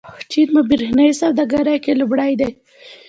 چین په برېښنايي سوداګرۍ کې لومړی دی.